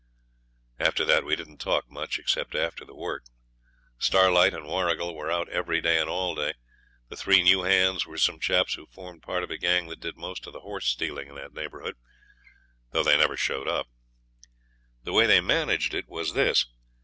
After that we didn't talk much except about the work. Starlight and Warrigal were out every day and all day. The three new hands were some chaps who formed part of a gang that did most of the horse stealing in that neighbourhood, though they never showed up. The way they managed it was this.